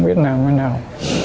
biết làm thế nào